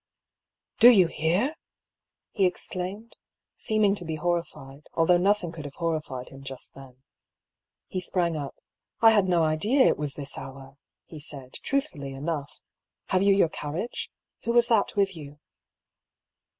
" Do you hear ?" he exclaimed, seeming to be hor rified although nothing could have horrified him just then. He sprang up. " I had no idea it was this hour," he said, truthfully enough. " Have you your carriage? Who was that with you